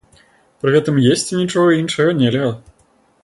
Пры гэтым есці нічога іншага нельга.